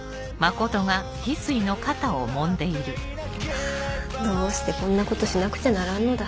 ハァどうしてこんなことしなくちゃならんのだ。